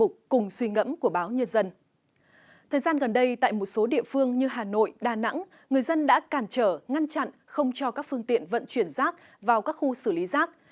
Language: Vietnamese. thời gian gần đây tại một số địa phương như hà nội đà nẵng người dân đã cản trở ngăn chặn không cho các phương tiện vận chuyển rác vào các khu xử lý rác